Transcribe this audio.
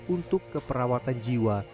untuk keperawatan jiwa